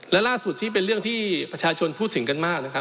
และล่าสุดที่เป็นเรื่องที่ประชาชนพูดถึงกันมากนะครับ